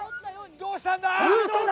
どうしたんだ？